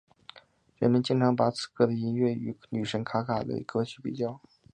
人们经常把此歌的音乐与女神卡卡的歌曲比较。